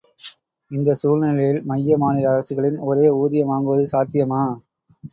இந்தச் சூழ்நிலையில் மைய மாநில அரசுகளில் ஒரே ஊதியம் வாங்குவது சாத்தியமா?